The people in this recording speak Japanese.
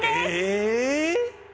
え？